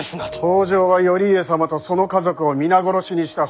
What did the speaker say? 北条は頼家様とその家族を皆殺しにした。